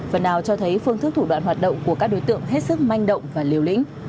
phần nào cho thấy phương thức thủ đoạn hoạt động của các đối tượng hết sức manh động và liều lĩnh